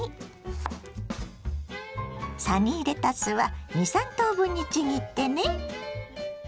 サニーレタスは２３等分にちぎってね。